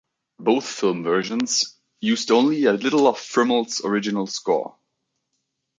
Both film versions used only a little of Friml's original score.